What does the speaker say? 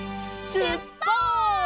しゅっぱつ！